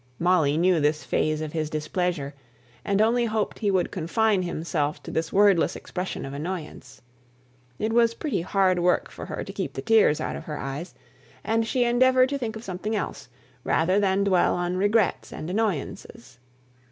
Molly knew this phase of his displeasure, and only hoped he would confine himself to this wordless expression of annoyance. It was pretty hard work for her to keep the tears out of her eyes; and she endeavoured to think of something else, rather than dwell on regrets and annoyances.